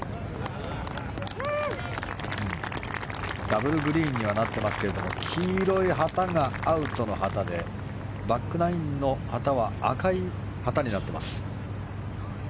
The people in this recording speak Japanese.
ダブルグリーンにはなっていますけれども黄色い旗がアウトの旗でバックナインの旗は赤い旗になってます。